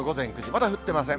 まだ降ってません。